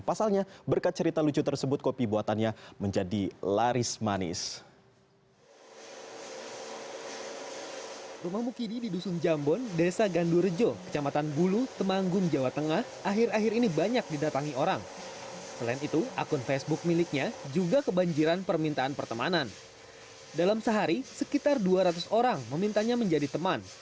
pasalnya berkat cerita lucu tersebut kopi buatannya menjadi laris manis